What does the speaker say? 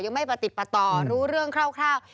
ยังไม่ติดต่อรู้เรื่องคร่าว